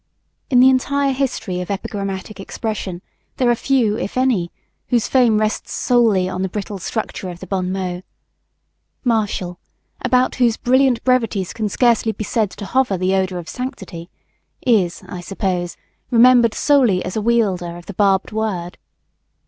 In the entire history of epigrammatic expression there are few if any whose fame rests solely upon the brittle structure of the bon mot. Martial, about whose brilliant brevities can scarcely be said to hover the odor of sanctity, is, I suppose, remembered solely as a wielder of the barbed word.